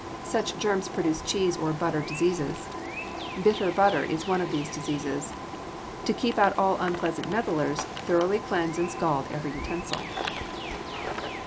Such germs produce cheese or butter diseases. "Bitter butter" is one of these diseases. To keep out all unpleasant meddlers, thoroughly cleanse and scald every utensil.